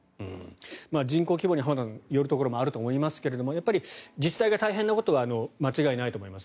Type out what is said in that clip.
人口規模によるところもあると思いますがやっぱり自治体が大変なことは間違いないと思います。